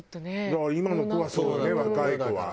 だから今の子はそうよね若い子は。